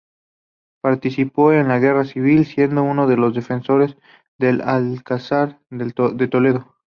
Participó en la Guerra civil, siendo uno de los defensores del Alcázar de Toledo.